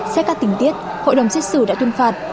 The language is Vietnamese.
xét các tình tiết hội đồng xét xử đã tuyên phạt